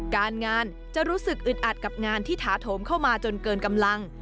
การงานจะรู้สึกอึดอัดกับงานที่ถาโถมเข้ามาจนเกินกำลัง